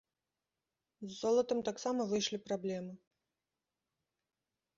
З золатам таксама выйшлі праблемы.